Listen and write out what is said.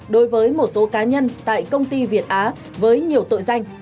đối với một số cá nhân tại công ty việt á với nhiều tội danh